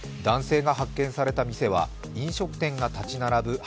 男性が発見された店は飲食店が立ち並ぶ